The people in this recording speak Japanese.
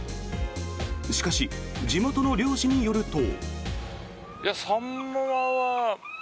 しかし、地元の漁師によると。